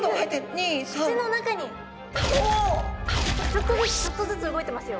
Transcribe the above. ちょっとずつちょっとずつ動いてますよ。